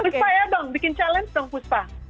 khuspa ya dong bikin challenge dong khuspa